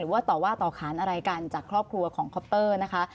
ว่าต่อว่าต่อขานอะไรกันจากครอบครัวของคอปเตอร์นะคะ